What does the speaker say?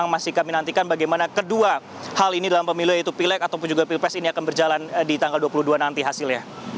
masih kami nantikan bagaimana kedua hal ini dalam pemilu yaitu pileg ataupun juga pilpres ini akan berjalan di tanggal dua puluh dua nanti hasilnya